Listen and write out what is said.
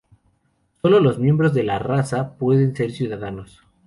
Solo los miembros de "la raza" pueden ser ciudadanos.